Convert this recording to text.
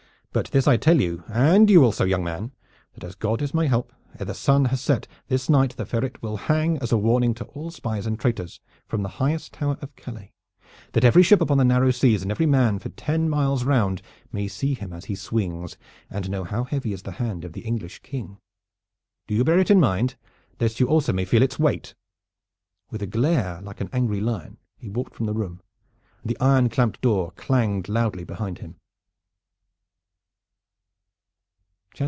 But this I tell you, and you also, young man, that as God is my help, ere the sun has set this night the Red Ferret will hang as a warning to all spies and traitors from the highest tower of Calais, that every ship upon the Narrow Seas, and every man for ten miles round may see him as he swings and know how heavy is the hand of the English King. Do you bear it in mind, lest you also may feel its weight!" With a glare like an angry lion he walked from the room, and the iron clamped door clanged loudly behind him.